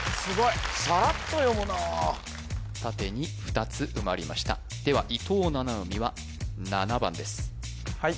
サラッと読むな縦に２つ埋まりましたでは伊藤七海は７番ですはい